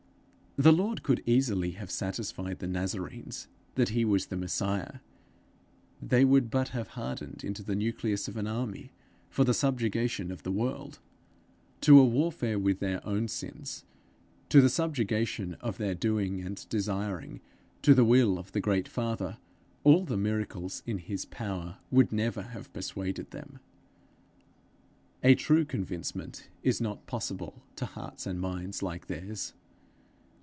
The Lord could easily have satisfied the Nazarenes that he was the Messiah: they would but have hardened into the nucleus of an army for the subjugation of the world. To a warfare with their own sins, to the subjugation of their doing and desiring to the will of the great Father, all the miracles in his power would never have persuaded them. A true convincement is not possible to hearts and minds like theirs.